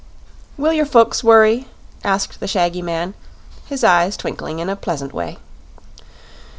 "Will your folks worry?" asked the shaggy man, his eyes twinkling in a pleasant way.